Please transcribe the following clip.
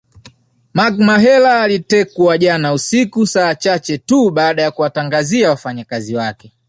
Mark Mahela alitekwa jana usiku saa chache tu baada ya kuwatangazia wafanyakazi wake